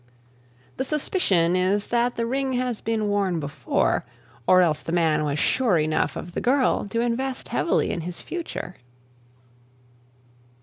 The suspicion is that the ring has been worn before, or else the man was sure enough of the girl to invest heavily in his future.